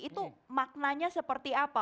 itu maknanya seperti apa